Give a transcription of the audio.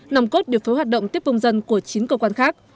nòng cốt điều phối hoạt động tiếp công dân của chín cơ quan khác